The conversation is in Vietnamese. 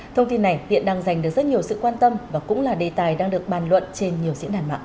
thông tin này hiện đang giành được rất nhiều sự quan tâm và cũng là đề tài đang được bàn luận trên nhiều diễn đàn mạng